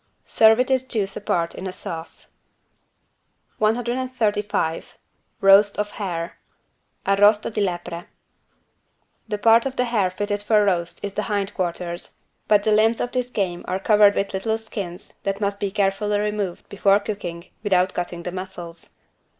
Serve with its juice apart in a sauce. 135 ROAST OF HARE (Arrosto di lepre) The part of the hare fitted for roast is the hind quarters, but the limbs of this game are covered with little skins that must be carefully removed, before cooking, without cutting the muscles.